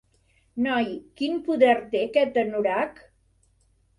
Noi, quin poder té aquest anorac?